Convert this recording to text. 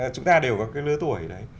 chúng ta đều có cái lứa tuổi đấy